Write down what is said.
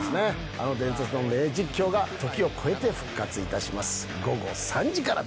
あの伝説の名実況が時を超えて復活いたします。